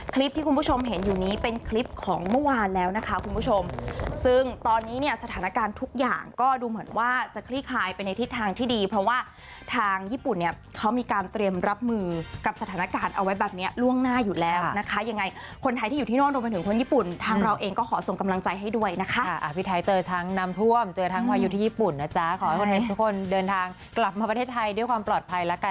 คลิปที่คุณผู้ชมเห็นอยู่นี้เป็นคลิปของเมื่อวานแล้วนะคะคุณผู้ชมซึ่งตอนนี้เนี่ยสถานการณ์ทุกอย่างก็ดูเหมือนว่าจะคลี่คายไปในทิศทางที่ดีเพราะว่าทางญี่ปุ่นเนี่ยเขามีการเตรียมรับมือกับสถานการณ์เอาไว้แบบนี้ล่วงหน้าอยู่แล้วนะคะยังไงคนไทยที่อยู่ที่นอกโดนฝนญี่ปุ่นทางเราเองก็ขอส่งกำลังใจให้ด้